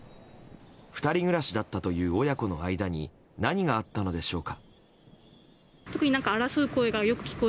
２人暮らしだったという親子の間に何があったのでしょうか。